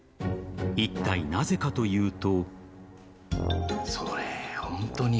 いったい、なぜかというと。